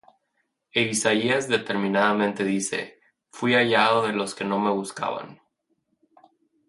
E Isaías determinadamente dice: Fuí hallado de los que no me buscaban;